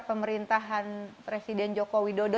pemerintahan presiden jokowi dodo